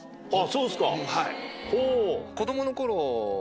そうですかほぉ。